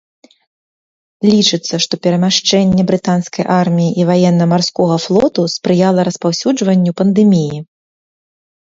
Лічыцца, што перамяшчэнне брытанскай арміі і ваенна-марскога флоту спрыяла распаўсюджванню пандэміі.